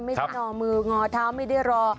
ไม่ได้รอมืองอเท้าไม่ได้รอ